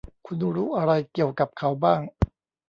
คุณรู้อะไรเกี่ยวกับเขาบ้าง